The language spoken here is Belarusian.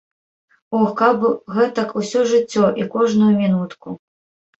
Ох, каб гэтак усё жыццё і кожную мінутку.